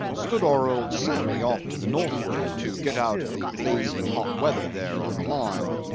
"Stood our old Sammy off to the northward, to get out of the blazing hot weather there on the Line.